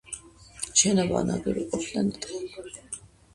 შენობა ნაგები ყოფილა ნატეხი ქვით.